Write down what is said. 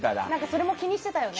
それも気にしてたよね。